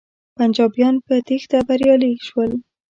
پنجابیان په تیښته بریالی شول.